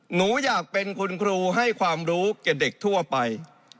หนูอยากเป็นคุณครูให้ความรู้แก่เด็กทั่วไป